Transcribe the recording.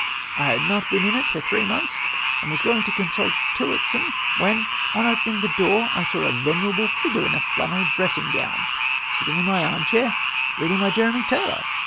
I had not been in it for three months and was going to consult Tillotson, when, on opening the door, I saw a venerable figure in a flannel dressing gown, sitting in my armchair, reading my Jeremy Taylor.